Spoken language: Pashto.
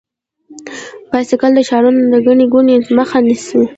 بایسکل د ښارونو د ګڼې ګوڼې مخه نیسي.